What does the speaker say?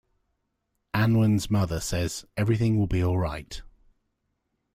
Anwen's mother says "everything will be alright".